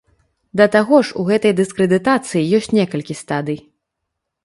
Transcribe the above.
Да таго ж, у гэтай дыскрэдытацыі ёсць некалькі стадый.